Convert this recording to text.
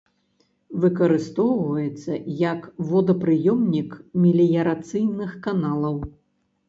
Выкарыстоўваецца як водапрыёмнік меліярацыйных каналаў.